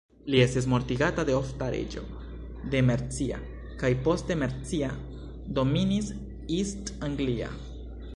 Li estis mortigata de Offa, reĝo de Mercia, kaj poste Mercia dominis East Anglia.